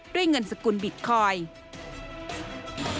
ด้วยเงินสกุลบิตคอยน์